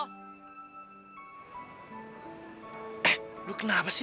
eh lu kenapa sih